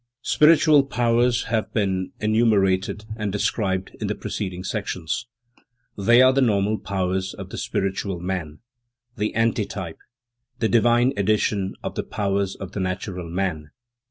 Spiritual powers have been enumerated and described in the preceding sections. They are the normal powers of the spiritual man, the antetype, the divine edition, of the powers of the natural man.